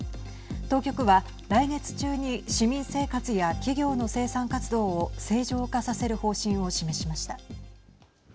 当局は、来月中に市民生活や企業の生産活動を正常化させる方針を示しました。